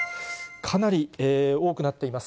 かなり多くなっています。